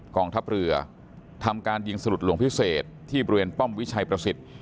กองทัพเรือทำการยิงสลุดหลวงพิเศษที่บริเวณป้อมวิชัยประสิทธิ์